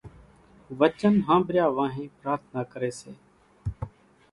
وچن ۿنڀرايا وانھين پرارٿنا ڪري سي